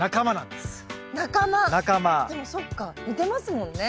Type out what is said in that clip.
でもそっか似てますもんね。